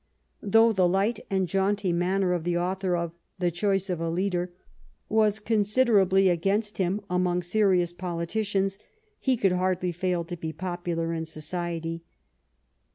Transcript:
Though the light and jaunty manner of the author of The Choice of a Leader," was considerably against him among serious politicians, he could hardly fail to be popular in society.